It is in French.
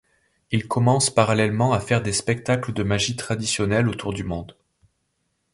Il commence parallèlement à faire des spectacles de magie “traditionnelle” autour du monde.